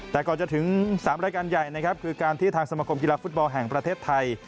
แต่ก่อนจะถึง๓รายการใหญ่นะครับคือการที่ทางสมคมกีฬาฟุตบอลแห่งประเทศไทย